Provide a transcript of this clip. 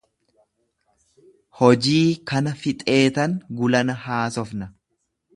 Hojii kana fixeetan gulana haasofna.